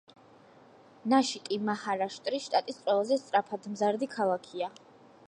ნაშიკი მაჰარაშტრის შტატის ყველაზე სწრაფადმზარდი ქალაქია.